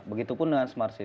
begitupun dengan smart city